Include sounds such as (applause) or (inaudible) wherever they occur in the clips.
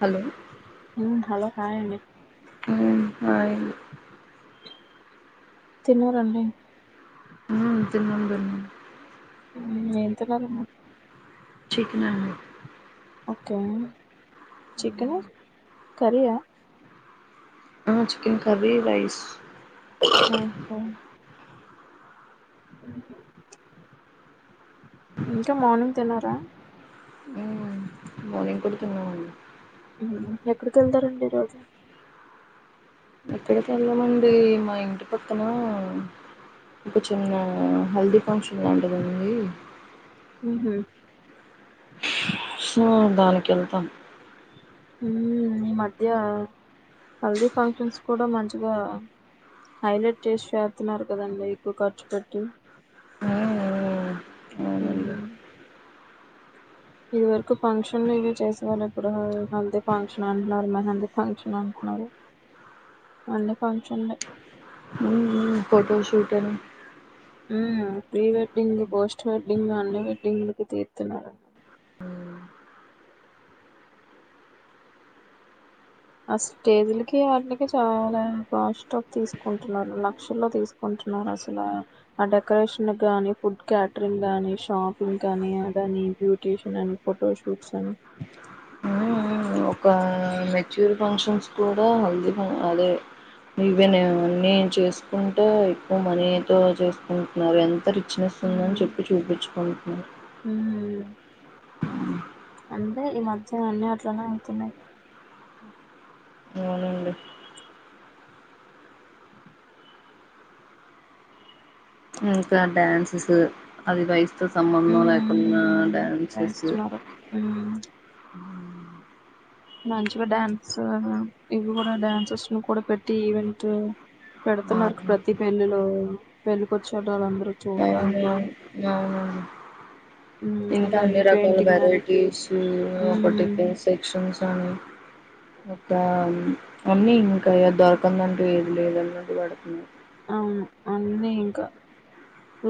Hello మ్మ్ hello hi అండి మ్మ్ హాయ్ తిన్నారండి (unintelligible) మ్మ్ ఏం తిన్నరు చికెన్ అండి ఓక్కే చికెను కర్రీ ఆ ఆ చికెన్ కర్రి రైస్ ఓహో ఇంకా మార్నింగ్ తిన్నారా మానింగ్ కూడ తిన్నామండి ఎక్కడికెళ్తారండి రోజు ఎక్కడికెళ్ళమండీ మా ఇంటి పక్కన ఒక చిన్న హల్దీ ఫంక్షన్ లాంటిదుంది మ్మ్ హ్మ్మ్ సో దానికెళ్తాను హ్మ్ ఈ మధ్య హల్దీ ఫంక్షన్స్ కూడా మంచిగా హైలెట్ చేసి చేస్తున్నారు కదండి ఎక్కువ ఖర్చు పెట్టి మ్మ్ మ్మ్ అవునండి హ్మ్ ఇది వరకు ఫంక్షన్లు ఇవి చేసేవాళ్ళు ఇప్పుడు హాల్ది ఫంక్షన్ అంటన్నారు మెహందీ ఫంక్షన్ అంటన్నారు అన్నీ ఫంక్షన్లే ఉమ్ ఫోటో షూట్ అని ఉమ్ ప్రి వెడ్డింగ్ పోస్ట్ వెడ్డింగ్ అన్ని వెడ్డింగ్లకి తీత్తున్నారు ఆ స్టేజీలకి ఆటిలకి చాలా కాస్ట్ అవి తీసుకుంటున్నారు లక్షల్లో తీసుకుంటున్నారు టున్నారు అసలా ఆ డెకరేషన్ గానీ ఫుడ్ క్యాటరింగ్ గానీ షాపింగ్ కానీ అదని బ్యూటషన్ అని ఫోటోషూట్స్ అని ఒక మెచ్యూర్ ఫంక్షన్స్ కూడా హల్దీ ఫం అదే ఇవేన్ అన్నీ చేసుకుంటే ఎక్కువ మనీతో చేసుకుంటున్నారు ఎంత రి రిచ్నెస్ ఉందని ఉమ్ చెప్పి చూపించుకుంటున్నాను అంటే ఈ మధ్య అన్ని అట్లనే అవుతున్నాయ్ అవునండి ఇంకా డాన్సెస్ అవి ఇవి ఐస్ తో సంబంధం లేకుండా ఉమ్ డ్యాన్సెసు వేస్తున్నారు ఉమ్ మంచిగా డ్యాన్స్ ఇవి కూడా డ్యాన్సెస్న్ కూడా పెట్టి ఈవెంటు పెడుతున్నారుకి అవును ప్రతి పెళ్ళిలో పెళ్ళికొచ్చేటోళ్ళందరు చూడ్టానికి అవునండి ఇంకా అన్ని రకాల పెయింటింగ్ అని వెరైటీస్ ఉమ్ ఒకటి పే సెక్షన్స్ అని ఇంకా అన్ని దొరకందంటూ ఏది లేదన్నట్టు పెడుతున్నారు అవును అన్నీ ఇంకా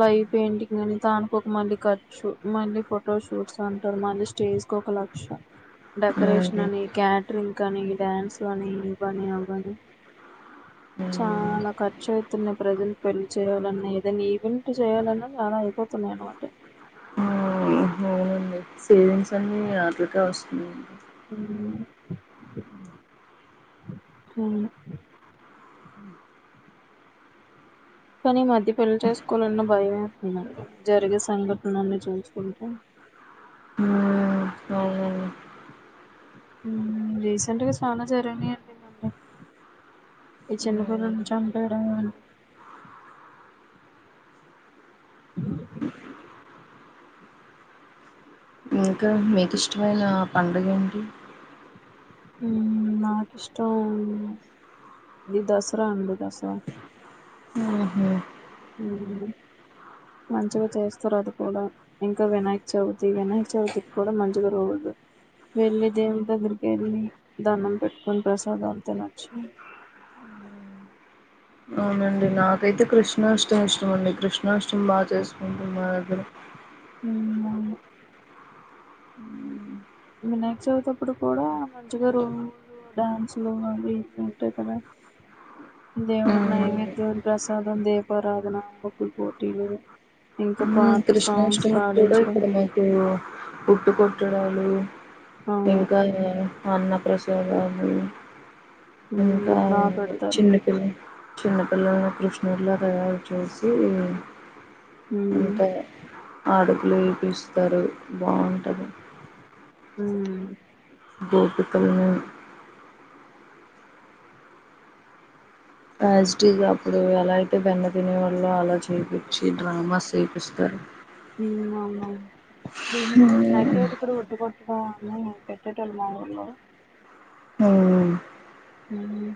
లైవ్ పెయింటింగ్ అని దానికి ఒక మళ్ళీ ఖర్చు మళ్ళీ ఫొటో షూట్స్ అంటారు మళ్ళీ స్టేజ్ జ్ కోక లక్ష డెకరేషన్ అవునండి అని క్యాటరింగ్ కనీ డ్యాన్స్ లనీ ఇవని అవని చాలా ఖర్చు అయితున్నాయ్ ప్రజలు పెళ్లి చేయాలన్నా ఏదన్న ఈవెంట్ చేయాలన్న చానా అయిపోతున్నాయి అన్నమాట సేవింగ్స్ అన్ని ఆట్లకే వస్తున్నాయి ఉమ్ అవును కానీ ఈ మధ్య పెళ్లి చేసుకోవాలన్న భయమేస్తుందండి జరిగే సంఘటనలను చూస్తుంటే ఉమ్, అవునండి ఉమ్ రీసెంట్గా చానా జరిగినాయ్ అండి ఇవ్వన్ని ఈ చిన్న ఉమ్, పిల్లల్ని చంపేయడం ఇంకా మీకు ఇష్టమైన పండుగ ఏంటి ఉమ్ నాకిష్టం ఈ దసరా అండి దసరా ఊహు. ఉమ్ మంచిగా చేస్తారు అది కూడా ఇంకా వినాయక చవితి వినాయక చవితికి కూడా మంచిగ రోజు వెళ్ళి దేవున్దగ్గరికి వెళ్ళి దన్నం పెట్టుకొని ప్రసాదాలు తినచ్చు అవునండి నాకైతే కృష్ణాష్టమి ఇష్టం అండి కృష్ణాష్టమి బా చేసుకుంటుం మా దగ్గర ఉమ్ అవును వినాయక చవితప్పుడు కూడా మంచిగ రోజు డాన్సులు అవి ఇవి ఉంటయి కదా దేవునికి ఉమ్, నైవేద్యం ప్రసాదం దీపారాధన ముగ్గుల పోటీలు ఇంక కృష్ణాష్టమి కూడా ఇక్కడ మీకు ఉట్టి కొట్టడాలు అవును ఇంకా ఏంటంటే అన్న ప్రసాదాలు ఇంకా ఉమ్ బాగా పెడతారు చిన్నపిల్ల చిన్నపిల్లల్నీ కృష్ణూలా తయారు చేసి ఉమ్ ఏ అడుగులు ఎపిస్తారు బాగుంటది ఉమ్ గోపికల్ని అజీటిజ్ అప్పుడు ఎలా అయితే బండ తినేవాళ్ళు అలా చేపించి డ్రామాస్ చేపిస్తారు ఉమ్ అవునవును దీనికి కూడా రా చోదకుడు ఉట్టి కొట్టడా పెట్టటమ్ మా ఊర్లో హ్మ్ ఉహు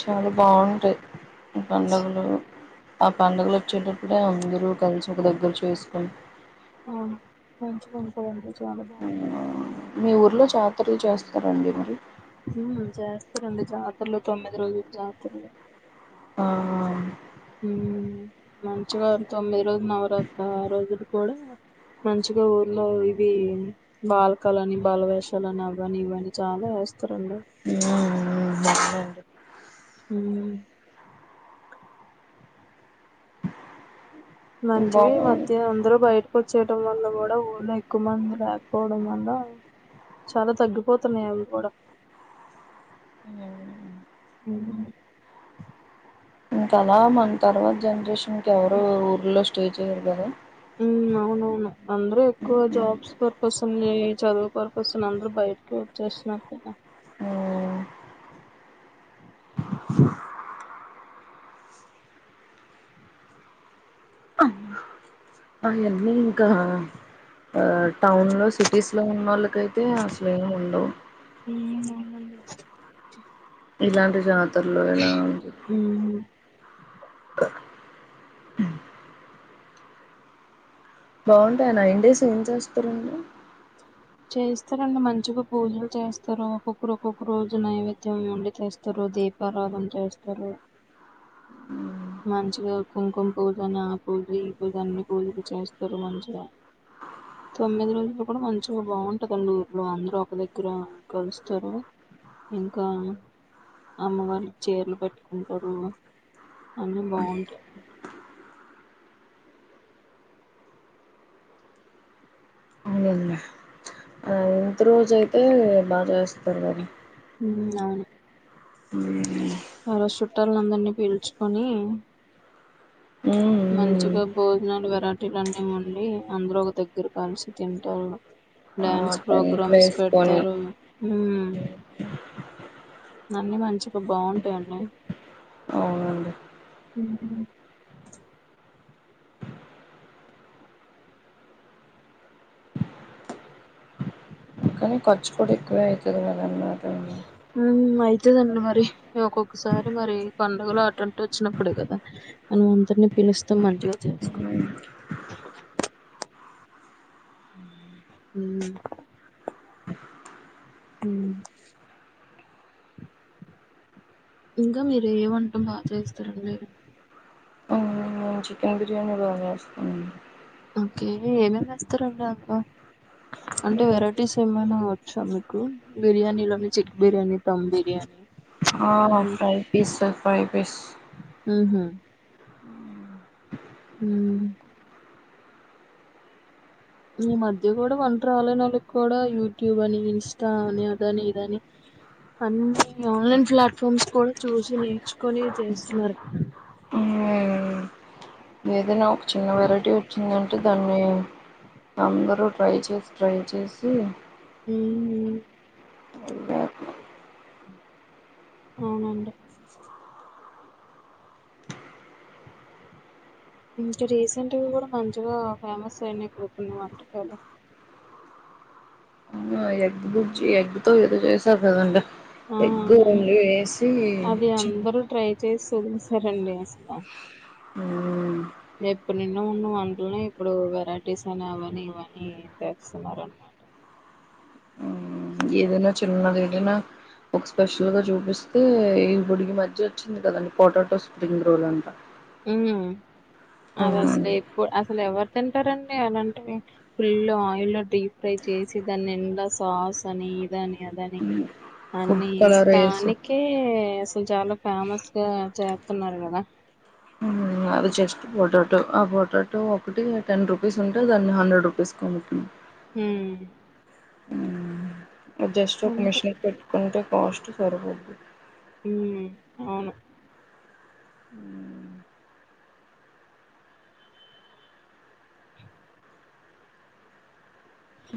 చాలా బాగుంటాయి ఈ పడుగలు ఆ పడుగలు వచ్చేటప్పుడే అందరూ కలిసి ఒక దగ్గర చేసుకున్ మంచి కొంకోదండి చాలా బాగా మీ ఊరిలో జాతరలు చేస్తారండి మరి తరండి జాతరలు తొమ్మిది రోజుల జాతరలు ఆ ఉ మంచిగా తొమ్మిది రోజుల నవరాత్ర ఆ రోజులు కూడా మంచిగా ఊర్లో ఇవి బాలకాలని బాలవేషాలని అవని ఇవని చాలా ఇస్తరండి ఉమ్ దసరా అండి ఉమ్ మంచివి బాగుంది మధ్య అందరు బయపో చేయడం వల్ల కూడా ఊళ్ళ ఎక్కువ మంది రాకపోవడం వల్ల చాలా తగ్గిపోతున్నాయి అవి కూడా ఉమ్ ఇంకా అలా మన తర్వాత జనరేషన్కెవరు ఊర్లో స్టే చెయ్యరు కదా అవునవును అందరు ఎక్కువ జాబ్స్ పర్పస్ అని చదువు పర్పస్ అందరు బయటికి చేస్తున్నారు కద అ ఎన్నీ ఇంకా ఆ టౌన్ లో సిటీస్ లో ఉనోళ్ళకైతే అసలు ఏం ఉండవు ఉమ్ అవునండి ఇలాంటి జాతరలో ఎలా అని చెప్పు ఉమ్ బాగుంటయి ఆ నైన్ డేస్ ఏం చేస్తరండి చేస్తారండి మంచిగా పూజలు చేస్తారు ఒక్కొక్కరు ఒక్కొక్క రోజు నైవేద్యం వండి చేస్తరు అ దీపరాదం చేస్తారు మంచిగ కుంకుమ పూజ అని ఆ పూజ ఈ పూజ అన్ని పూజకు చేస్తారు మంచిగ తొమ్మిది రోజులు కూడ మంచిగా బాగుంటందండి ఊర్లో అందరు ఒక దగ్గర కలుస్తరు ఇంక అమ్మవారికి చీరలు పెట్టుకుంటారు అన్ని బాగుంటాయ్ అవునండి ముందు రోజ అయితే బాగా చేస్తారు గారు ఉ అవును ఉ ఆ రోజు చుట్టలని అందరినీ పిల్చుకొని ఉ (unintelligible) భోజనాలు వెరైటీలు అన్నీ ఒండి అందరూ ఒక దగ్గర కలిసి తింటారు ఆ డ్యాన్స్ టైప్ ప్రోగ్రామ్స్ వేసుకొని పెడతారు ఊ అన్నీ మంచిగ బాగుంటాయండి అవునండి హు కానీ ఖర్చు కూడ ఎక్కువే అయితది (unintelligible) ఉ దండి మరి ఒక్కొక్కసారి మరి పండగలు ఆటంటూ వచ్చినప్పుడు కదా మనం అందరిని పిల్చి పిలుస్త మంచిగా చేసుకు ఉ ఉ ఇంక మీరు ఏ వంట బా చేస్తరండి ఊ చికెన్ బిర్యానీ బాగ చేస్తానండి ఓకే ఏమేమి వేస్తారండి అందులో అంటే వెరేటీస్ ఏమైన వచ్చా మీకు బిర్యానీ లోని చిక్ బిర్యానీ థమ్ బిర్యానీ అ అని ఫ్రై పీస్ ఫ్రై పీస్ ఉ హు ఊ ఈ మధ్య గుడ వంట రాలేనోళ్ళకి కూడ యూట్యూబ్ అని ఇన్స్ట అని అదని ఇదని అన్ని ఆన్లైన్ ప్లాట్ఫామ్స్ కూడ చూసి నేర్చుకొని చేస్తున్నారు ఏదైన ఒక చిన్న వెరైటీ వచ్చిందంటే దాన్ని అందరూ ట్రై చేసి ట్రై చేసి హు అవునండి ఇంక రీసెంట్గ గుడ మంచిగా ఫేమస్ అయనాయి కొన్ని వంటకాలు అ ఎగ్ గుజ్జి ఎగ్ తో ఏదో చేసారు కదండి ఆ ఎగ్ ఓన్లీ ఏసీ (unintelligible) అసల మ్మ్ ఎప్పుడు నిన్న ఉన్న వంటలనే ఇప్పుడు వెరైటీస్ అయినా అవని ఇవని చెస్తున్నారు అనమాట (unintelligible) (inaudible) ఏదైన చిన్నగ ఏదైన ఒక స్పెషల్గా చూపిస్తే ఈ (unintelligible) మధ్య వచ్చింది కదండి పొటాటో స్ప్రింగ్ రోల్ అంట ఉ అవి అసలు ఎప్పుడు అసలు ఎవరు తింటారండి అలాంటే ఫుల్ ఆయిల్ డీ ఫ్రై చేసి దాని నిండ సాస్ అని ఇదని అదని ఫుడ్ అన్నిస్ కలర్ వేసి దానికే అసలు చాలా ఫేమస్ గా చేత్తున్నారు గదా అది జెస్ట్ పొటాటో అ పొటాటో ఒకటి టెన్ రూపీస్ ఉంటే దాన్ని హండ్రెడ్ రూపీస్కి అమ్ముతున్ ఉమ్ జస్ట్ ఒక అంతే మిషన్ పెట్టుకుంటే కాస్ట్ సరిపోద్ది ఉమ్ అవును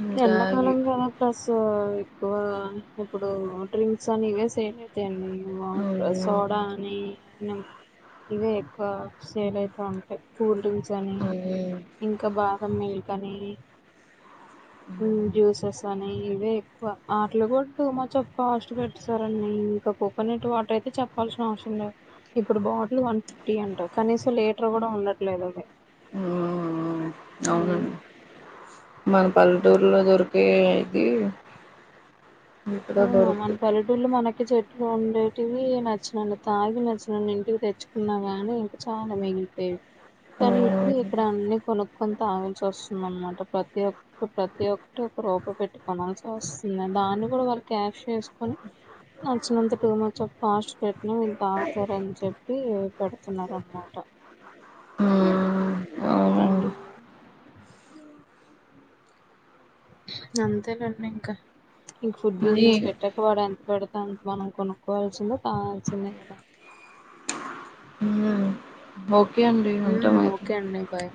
ఇంకా అవి ఎండాకాలం గదా ప్రస్ సో ఎక్కువా ఇప్పుడు డ్రింక్స్ అని ఇవే సేల్ అయితయండి వాటర్ సాల్ డా అని నిమ్ ఇవే ఎక్కువ సేల్ అయితా ఉంటయి కూల్ డ్రింక్స్ అని ఇంక బాదం మిల్కనీ జ్యూసెస్ అని ఇవే ఎక్కువ ఆటిలో గూడ టూ మచ్ ఆఫ్ కాస్ట్ పెట్టెసారండి ఇంక కోకోనెట్ వాటర్ అయితే చెప్పాల్సిన అవసరం లేద్ ఇప్పుడు బాటిల్ వన్ ఫిఫ్టీ అంటా కనీసం లీటర్ గూడ ఉండట్లేదు అవి ఉమ్ ఉమ్. అవునండి మన పల్లెటూర్లో దొరికేదీ అ మన పల్లెటూళ్ళు మనక్ కి చెట్టులు ఉండేటివీ నచ్చినన్ని తాగి నచ్చినన్నీ ఇంటికి తెచ్చుకున్నా గానీ ఇంకా చాలా మిగ్ ల్పే కనీ ఇప్పుడు అవునండి ఇక్కడ అన్ని కొనుక్కొని తాగల్సోస్తుందన్నమాట ప్రతి ఒక్క ప్రతి ఒక్కటి రూపయ్ పెట్టి కొనాల్సే వస్తుందండి దాన్ని గుడా వాళ్ళు క్యాష్ చేసుకొని నచ్చినంత టూ మచ్ ఆఫ్ కాస్ట్ పెట్టిన ఇల్ తాగుతారన్ చెప్పి పెడుతున్నారన్నమాట అ ఉమ్ ఉ అంతేలేండి ఇంక, ఇంక ఫుడ్ అది బిజినెస్ పెట్టక్పోవడే పెడతావుంటున్నార్ మనం కొనుక్కోవాల్సిందే తాగాల్సిందే గదా కే అండి ఉంట మరయితే ఓకే అండి బాయ్